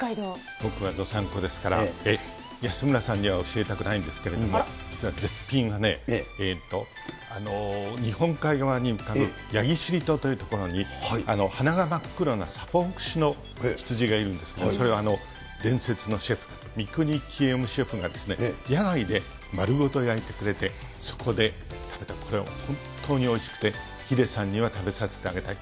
僕はどさんこですから、安村さんには教えたくないんですけれども、実は絶品はね、日本海側に浮かぶ焼尻島という所に、鼻が真っ黒なの羊がいるんですけど、それが伝説のシェフ、みくにシェフが野外で丸ごと焼いてくれて、そこで食べた、これは本当においしくて、ヒデさんには食べさせてあげたい。